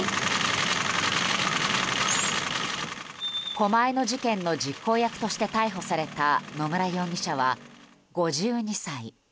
狛江の事件の実行役として逮捕された野村容疑者は５２歳。